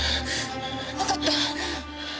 わかった。